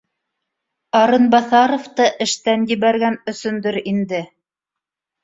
Арынбаҫаровты эштән ебәргән өсөндөр инде